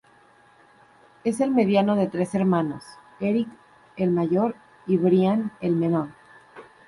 Es el mediano de tres hermanos; Eric, el mayor y Brian, el menor.